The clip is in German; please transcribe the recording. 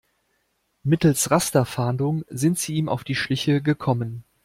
Mittels Rasterfahndung sind sie ihm auf die Schliche gekommen.